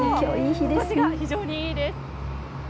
気持ちが非常にいいです。